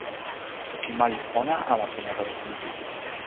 toki ma li pona ala pona tawa sina?